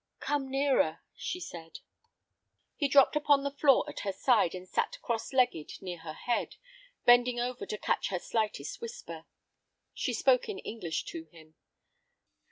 "Come nearer," she said. He dropped upon the floor at her side and sat cross legged near her head, bending over to catch her slightest whisper. She spoke in English to him.